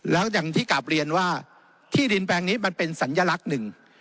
แล้วอย่างที่กลับเรียนว่าที่ดินแปลงนี้มันเป็นสัญลักษณ์หนึ่ง